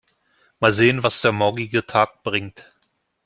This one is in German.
Mal sehen, was der morgige Tag bringt.